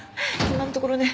今のところね